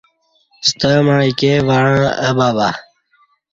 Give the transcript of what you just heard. ستمع ایکے وعݩع اہ بَبہ